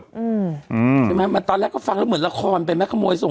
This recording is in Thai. ใช่มั้ยแต่ตอนแรกก็ฟังเหมือนละครเป็นไปมาขโมยสม